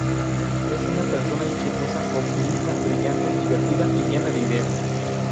Es una persona ingeniosa, optimista, brillante, divertida y llena de ideas.